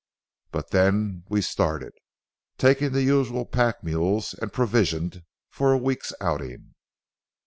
But then we started, taking the usual pack mules, and provisioned for a week's outing.